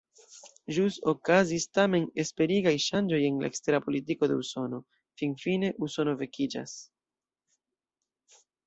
Ĵus okazis tamen esperigaj ŝanĝoj en la ekstera politiko de Usono: finfine Usono vekiĝas.